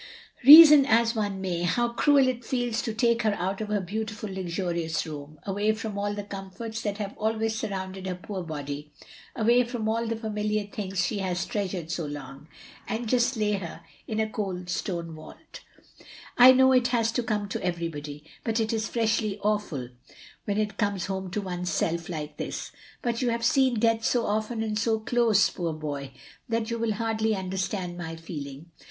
Reason as one may, how cruel it feels to take her out of her beautiful luxurious room, away from all the comforts that have always surrounded her poor body; away from all the familiar things she has trea sured so long — and just lay her in a cold stone vault, "/ know it has to come to everybody, but it is freshly awful when it comes home to oneself like this; but you have seen death so often and so close, poor boy, that you will hardly understand my feeling.